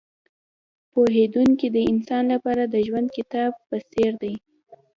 پوهېدونکی د انسان لپاره د ژوندي کتاب په څېر دی.